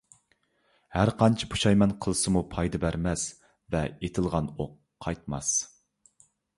ھەرقانچە پۇشايمان قىلسىمۇ پايدا بەرمەس ۋە ئېتىلغان ئوق قايتماس.